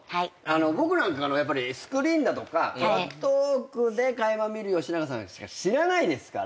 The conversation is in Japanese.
僕なんかスクリーンだとかトークで垣間見る吉永さんしか知らないですから。